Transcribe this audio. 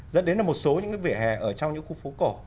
dẫn đến là một số những cái vỉa hè ở trong những khu phố cổ